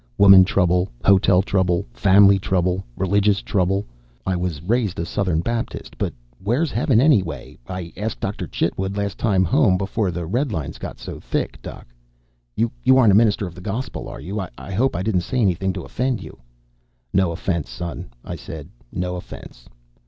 Woman trouble. Hotel trouble. Fam'ly trouble. Religious trouble. I was raised a Southern Baptist, but wheah's Heaven, anyway? I ask' Doctor Chitwood las' time home before the redlines got so thick Doc, you aren't a minister of the Gospel, are you? I hope I di'n' say anything to offend you." "No offense, son," I said. "No offense."